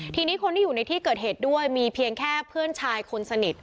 ทีนี้คนที่อยู่ในที่เกิดเหตุด้วยมีเพียงแค่เพื่อนชายคนสนิท